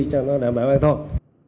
cho nó đảm bảo an toàn